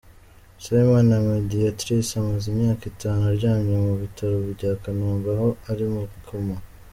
Dusabimana Mediatrice amaze imyaka itanu aryamye mu bitaro bya Kanombe aho ari muri Koma.